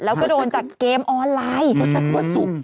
แล้วก็โดนจากเกมออนไลน์จากวัดสูบ